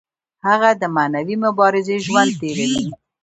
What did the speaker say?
هغه د معنوي مبارزې ژوند تیروي.